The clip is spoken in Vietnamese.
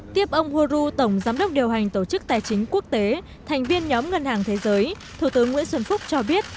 tiếp ông horu tổng giám đốc điều hành tổ chức tài chính quốc tế thành viên nhóm ngân hàng thế giới thủ tướng nguyễn xuân phúc cho biết